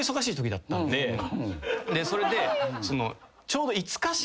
でそれで。